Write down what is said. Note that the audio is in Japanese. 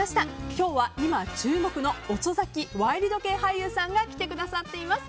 今日は今注目の遅咲きワイルド系俳優さんが来てくださっています。